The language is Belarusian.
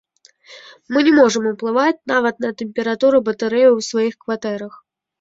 Мы не можам уплываць нават на тэмпературу батарэяў у сваіх кватэрах!